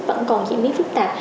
vẫn còn diễn biến phức tạp